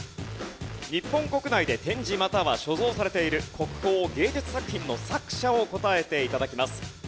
日本国内で展示または所蔵されている国宝・芸術作品の作者を答えて頂きます。